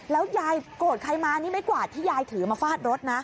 แล้วยายโกรธใครมานี่ไม้กวาดที่ยายถือมาฟาดรถนะ